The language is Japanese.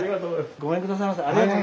ごめんくださいませ。